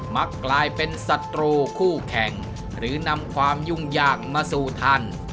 มักกลายเป็นศัตรูคู่แข่งหรือนำความยุ่งยากมาสู่ท่าน